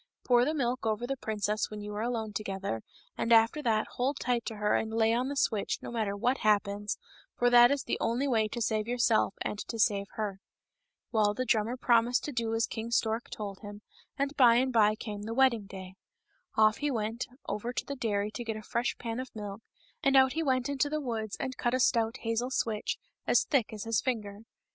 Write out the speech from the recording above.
Pour the milk over the princess when you are alone together, and after that hold tight to her and lay on the switch, no matter what happens, for that is the only way to save yourself and to save her." Well, the drummer promised to do as King Stork told him, and by and by came the wedding day. Off he went over to the dairy and got a fresh pan of milk, and out he went into the woods and cut a stout hazel switch, as thick as his finger.